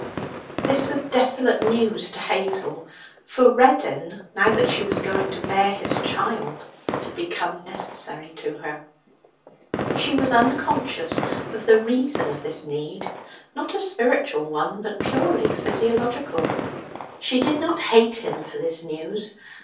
This was desolate news to Hazel; for Reddin, now that she was going to bear his child, had become necessary to her. She was unconscious of the reason of this need not a spiritual one, but purely physiological. She did not hate him for this news.